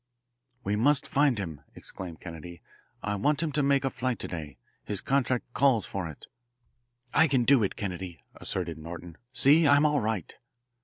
"We must find him," exclaimed Kennedy. "I want him to make a flight to day. His contract calls for it." "I can do it, Kennedy," asserted Norton. "See, I'm all right."